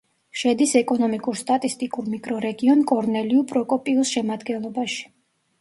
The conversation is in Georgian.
შედის ეკონომიკურ-სტატისტიკურ მიკრორეგიონ კორნელიუ-პროკოპიუს შემადგენლობაში.